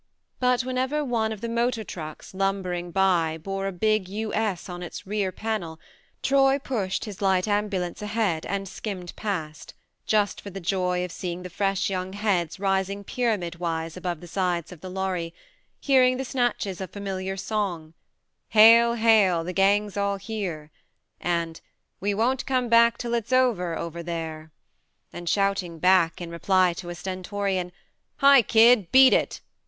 But whenever one of the motor trucks lumbering by bore a big 94 THE MARNE U.S. on its rear panel Troy pushed his light ambulance ahead and skimmed past, just for the joy of seeing the fresh young heads rising pyramid wise above the sides of the lorry, hearing the snatches of familiar song " Hail, hail, the gang's all here!" and "We won't come back till it's over over there !" and shouting back, in reply to a stentorian " Hi, kid, beat it